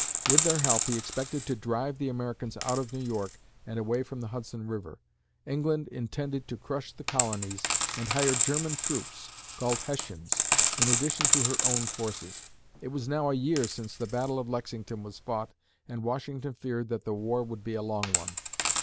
With their help, he expected to drive the Americans out of New York and away from the Hudson River. England intended to crush the colonies and hired German troops, called Hessians, in addition to her own forces. It was now a year since the Battle of Lexington was fought and Washington feared that the war would be a long one.